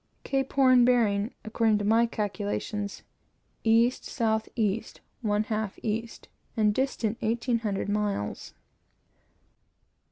Cape Horn bearing, according to my calculation, E. S. E. 1/2 E., and distant eighteen hundred miles.